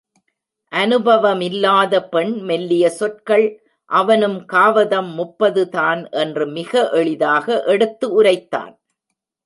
அனுபவமில்லாத பெண் மெல்லிய சொற்கள் அவனும் காவதம் முப்பதுதான் என்று மிக எளிதாக எடுத்து உரைத்தான்.